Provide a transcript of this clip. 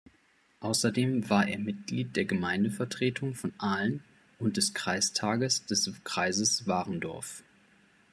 Außerdem war er Mitglied der Gemeindevertretung von Ahlen und des Kreistages des Kreises Warendorf.